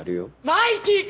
マイキー君！